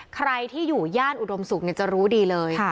ใครที่อยู่ย่านอุดมศุกร์จะรู้ดีเลย